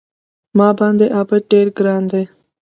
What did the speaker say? ما باندې عابد ډېر ګران دی